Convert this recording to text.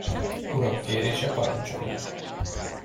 Urak kérése parancsolat.